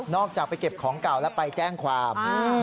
จากไปเก็บของเก่าแล้วไปแจ้งความ